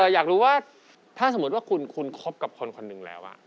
อยากรู้ว่าถ้าสมมุติว่าคุณคบกับคนคนหนึ่งแล้ว